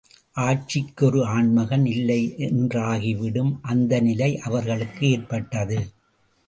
ஆட்சிக்கு ஒரு ஆண்மகன் இல்லை என்று ஆகிவிடும் அந்த நிலை அவர்களுக்கு ஏற்பட்டது.